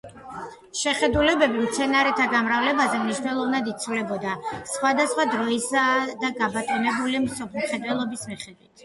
შეხედულებები მცენარეთა გამრავლებაზე მნიშვნელოვნად იცვლებოდა სხვადასხვა დროისა და გაბატონებული მსოფლმხედველობის მიხედვით.